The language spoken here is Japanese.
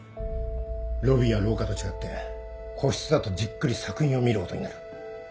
ロビーや廊下と違って個室だとじっくり作品を見ることになる。